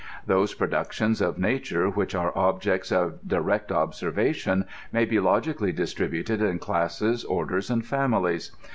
Those productions of nature which are objects of direct ob servation may be logically distributed in classes, orders, and famihes.